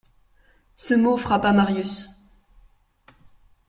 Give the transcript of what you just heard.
Ce mot frappa Marius.